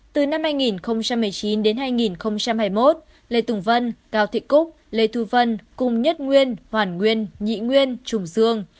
từ năm hai nghìn một mươi chín đến hai nghìn hai mươi một lê tùng vân cao thị cúc lê thu vân cùng nhất nguyên hoàn nguyên nhị nguyên trùng dương